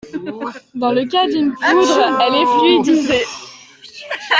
Dans le cas d’une poudre, elle est fluidisée.